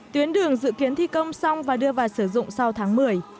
tuyến đường dự kiến thi công xong và đưa vào sử dụng sau tháng một mươi